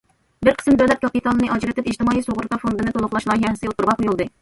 بىر قىسىم دۆلەت كاپىتالىنى ئاجرىتىپ ئىجتىمائىي سۇغۇرتا فوندىنى تولۇقلاش لايىھەسى ئوتتۇرىغا قويۇلدى.